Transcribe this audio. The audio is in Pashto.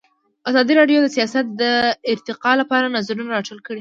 ازادي راډیو د سیاست د ارتقا لپاره نظرونه راټول کړي.